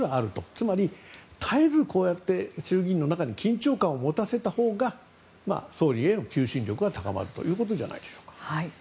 つまり絶えず衆議院の中に緊張感を持たせたほうが総理への求心力が高まるということではないでしょうか。